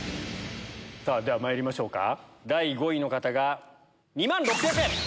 ではまいりましょうか第５位の方が２万６００円。